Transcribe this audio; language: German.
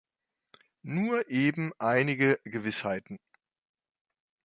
Nur eben einige Gewissheiten.